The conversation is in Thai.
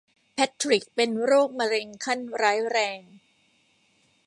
แพททริคเป็นโรคมะเร็งขั้นร้ายแรง